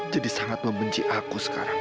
jadi sangat membenci aku sekarang